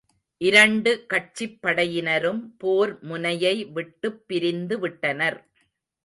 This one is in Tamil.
இரண்டு கட்சிப் படையினரும் போர் முனையை விட்டுப் பிரிந்து விட்டனர்.